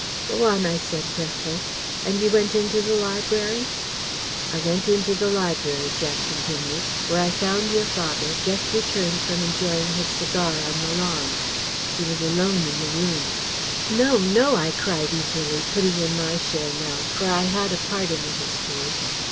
"Go on," I said, breathless. "And you went into the library." "I went into the library," Jack continued, "where I found your father, just returned from enjoying his cigar on the lawn. He was alone in the room " "No, no!" I cried eagerly, putting in my share now; for I had a part in the history.